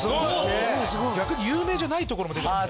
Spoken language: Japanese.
有名じゃないとこも出てます。